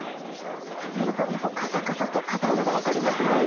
見るからにカサカサと硬いのが分かりますね。